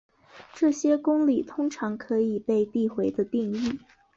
这些公理通常可以被递回地定义。